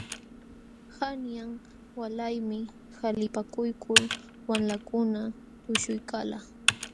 Qanyan walaymi qalipakuykul wamlakuna tushuykalqa.